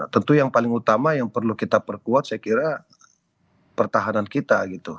tentu yang paling utama yang perlu kita perkuat saya kira pertahanan kita gitu